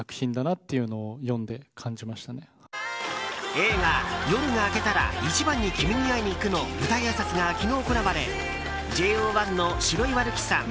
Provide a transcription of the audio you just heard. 映画「夜が明けたら、いちばんに君に会いにいく」の舞台あいさつが昨日行われＪＯ１の白岩瑠姫さん